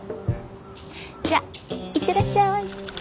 じゃあ行ってらっしゃい。